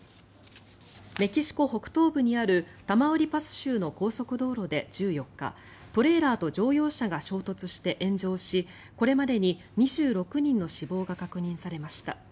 メキシコ北東部にあるタマウリパス州の高速道路で１４日トレーラーと乗用車が衝突して炎上しこれまでに２６人の死亡が確認されました。